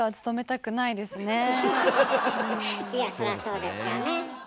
いやそらそうですよね。